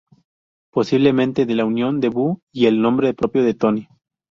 Posiblemente de la unión de bu y el nombre propio de Toni.